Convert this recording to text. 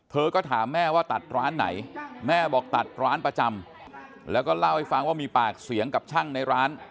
เธอก็ถามแม่ว่าตัดร้านไหนแม่บอกตัดร้านประจำแล้วก็เล่าให้ฟังว่ามีปากเสียงกับช่างในร้าน